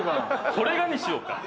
「これが」にしようか。